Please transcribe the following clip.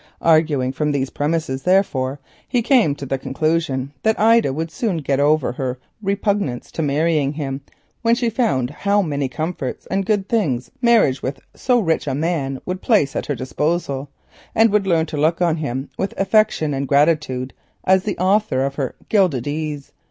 Arguing from these untrustworthy premises, he came to the conclusion that Ida would soon get over her repugnance to marrying him, when she found how many comforts and good things marriage with so rich a man would place at her disposal, and would, if for no other reason, learn to look on him with affection and gratitude as the author of her gilded ease.